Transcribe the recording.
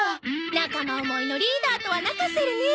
仲間思いのリーダーとは泣かせるねえ。